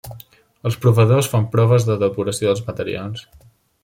Els provadors fan proves de depuració dels materials.